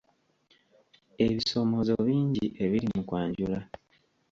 Ebisoomoozo bingi ebiri mu kwanjula.